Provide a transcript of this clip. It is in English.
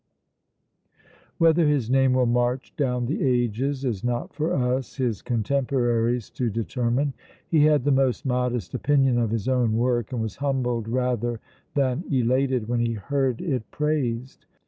"Whether his name will march down the ages is not for us, his contemporaries, to determine. He had the most modest opinion of his own work, and was humbled rather than elated when he heard it praised.